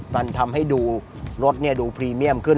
มันทำให้ดูรถดูพรีเมียมขึ้น